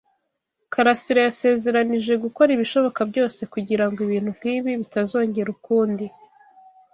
karasira yasezeranije gukora ibishoboka byose kugira ngo ibintu nk'ibi bitazongera ukundi.